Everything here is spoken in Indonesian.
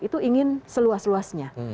itu ingin seluas luasnya